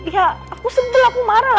ya aku sentul aku marah lah